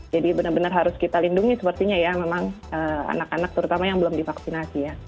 jadi benar benar harus kita lindungi sepertinya ya memang anak anak terutama yang belum divaksinasi ya